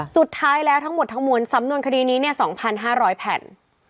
สุดท้ายแล้วทั้งหมดทั้งมวลสำนวนคดีนี้๒๕๐๐แผ่น